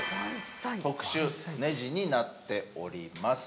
特殊ネジになっております。